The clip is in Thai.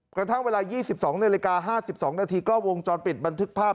กระทั่งเวลา๒๒นาฬิกา๕๒นาทีกล้องวงจรปิดบันทึกภาพ